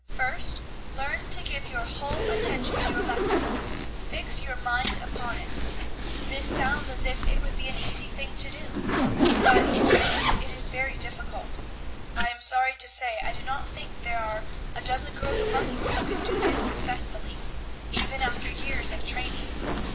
First, learn to give your whole attention to your lesson; fix your mind upon it. This sounds as if it would be an easy thing to do; but, in truth, it is very difficult. I am sorry to say I do not think there are a dozen girls among you who can do this successfully, even after years of training.